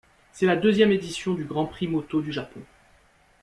C'est la deuxième édition du Grand Prix moto du Japon.